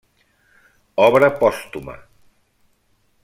Obra pòstuma.